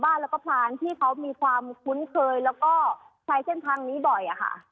ทางสาบาลพลานที่เขามีความคุ้นเคยและก็ใช้เส้นทางนี้บ่อย